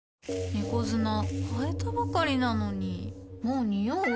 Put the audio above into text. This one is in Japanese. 猫砂替えたばかりなのにもうニオう？